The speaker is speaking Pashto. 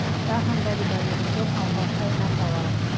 دا خندا د برياليتوب او خوښۍ نښه وه.